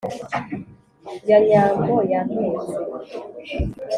ya nyambo yampetse